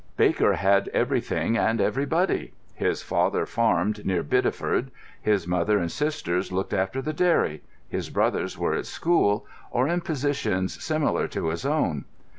Baker had everything and everybody. His father farmed near Bideford; his mother and sisters looked after the dairy; his brothers were at school or in positions similar to his own.